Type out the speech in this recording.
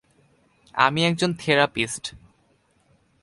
আমি একজন থেরাপিস্ট।